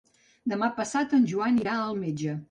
Demà passat en Joan irà al metge.